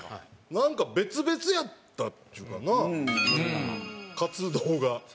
なんか別々やったっちゅうかな活動が。